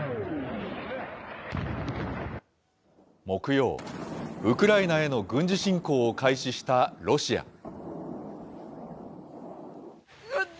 木曜、ウクライナへの軍事侵攻を開始したロシア。